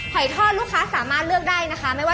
หอยทอดลูกค้าสามารถเลือกได้นะคะ